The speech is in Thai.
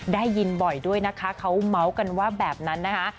ได้ยินบ่อยด้วยนะคะเขาเมาส์กันว่าแบบนั้นนะคะ